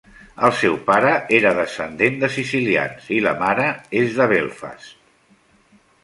El seu pare era descendent de sicilians i la mare és de Belfast.